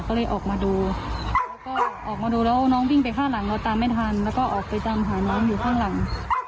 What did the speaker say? ก็เลยออกมาดูแล้วก็ออกมาดูแล้วน้องวิ่งไปข้างหลังเราตามไม่ทันแล้วก็ออกไปตามหาน้องอยู่ข้างหลัง